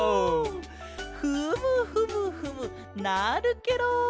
フムフムフムなるケロ！